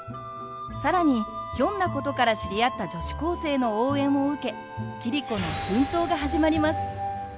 更にひょんなことから知り合った女子高生の応援を受け桐子の奮闘が始まります。